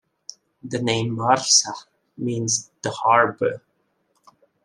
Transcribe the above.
The name Marsa means "the harbour".